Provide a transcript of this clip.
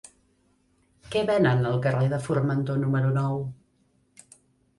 Què venen al carrer de Formentor número nou?